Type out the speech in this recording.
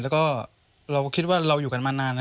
แล้วก็เราก็คิดว่าเราอยู่กันมานานนะ